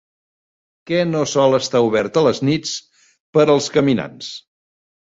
Què no sol estar obert a les nits per als caminants?